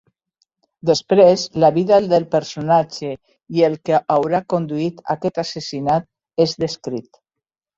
Després, la vida del personatge i el que haurà conduït a aquest assassinat és descrit.